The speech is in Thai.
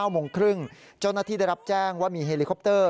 โมงครึ่งเจ้าหน้าที่ได้รับแจ้งว่ามีเฮลิคอปเตอร์